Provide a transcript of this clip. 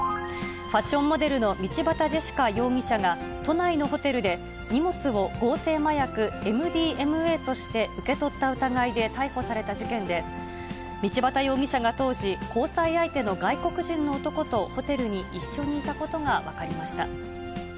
ファッションモデルの道端ジェシカ容疑者が、都内のホテルで荷物を合成麻薬ＭＤＭＡとして受け取った疑いで逮捕された事件で、道端容疑者が当時、交際相手の外国人の男とホテルに一緒にいたことが分かりました。